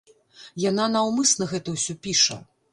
Яна наўмысна гэта ўсё піша.